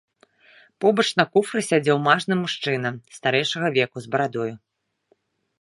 Побач на куфры сядзеў мажны мужчына старэйшага веку з барадою.